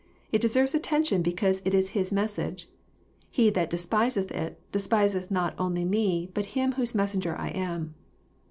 It deserves attention because it is His message. He that despiseth it, despiseth not only me, but Him whose messenger I am."